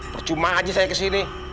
percuma aja saya ke sini